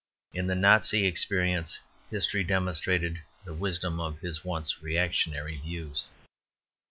In the Nazi experience, history demonstrated the wisdom of his once "reactionary" views.